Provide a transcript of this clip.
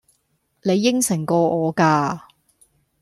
你應承過我㗎